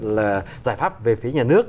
là giải pháp về phía nhà nước